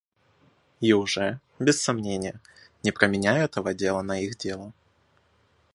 И уже, без сомнения, не променяю этого дела на их дело.